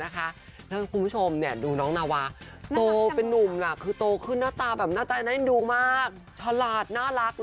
คุณผู้ชมดูน้องนาวาโตเป็นนุมโตขึ้นน่าตาแน่นดึงมากชาลาดน่ารัก